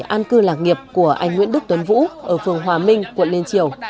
một mảnh đất để an cư lạc nghiệp của anh nguyễn đức tuấn vũ ở phường hòa minh quận liên triều